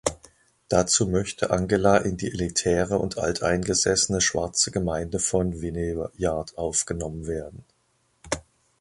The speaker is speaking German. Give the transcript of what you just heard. Dazu möchte Angela in die elitäre und alteingesessene schwarze Gemeinde von Vineyard aufgenommen werden.